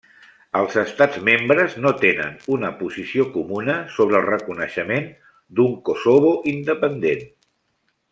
Els Estats membres no tenen una posició comuna sobre el reconeixement d'un Kosovo independent.